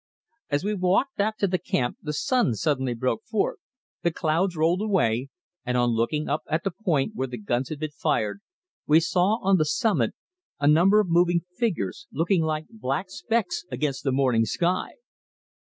As we walked back to the camp the sun suddenly broke forth, the clouds rolled away, and on looking up at the point where the guns had been fired we saw on the summit a number of moving figures, looking like black specks against the morning sky.